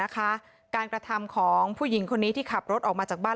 การกระทำของผู้หญิงคนนี้ที่ขับรถออกมาจากบ้าน